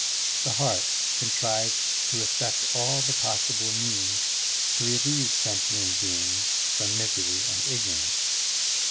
The heart contrives to effect all the possible means to relieve sentient beings from misery and ignor ance.